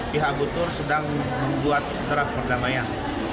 pihak butur sedang membuat terang perdamaian